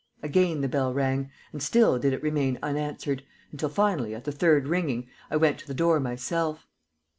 Again the bell rang, and still did it remain unanswered, until finally, at the third ringing, I went to the door myself.